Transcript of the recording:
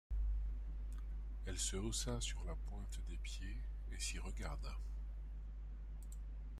Elle se haussa sur la pointe des pieds et s’y regarda.